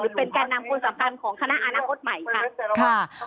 หรือเป็นแก่นำคนสำคัญของคณะอาณาคตใหม่